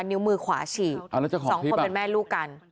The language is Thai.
นิ้วมือขวาฉีกสองคนเป็นแม่ลูกกัน